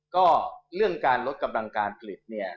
ก็เรื่องการลดกำลังการผลิตเนี่ย